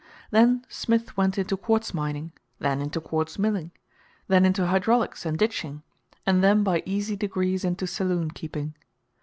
Then Smith went into quartz mining; then into quartz milling; then into hydraulics and ditching, and then by easy degrees into saloonkeeping.